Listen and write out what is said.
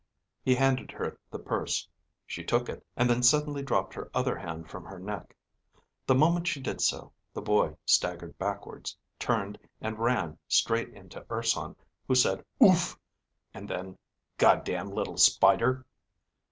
He handed her the purse. She took it, and then suddenly dropped her other hand from her neck. The moment she did so, the boy staggered backwards, turned, and ran straight into Urson, who said, "Ooof," and then, "God damn little spider."